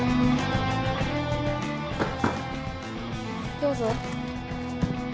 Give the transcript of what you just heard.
どうぞ。